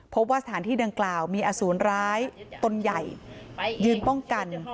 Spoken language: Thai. พบว่าสถานที่ดังกล่าวมีอสูรร้ายตนใหญ่ยืนป้องกัน